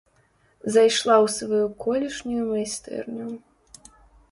Зайшла ў сваю колішнюю майстэрню.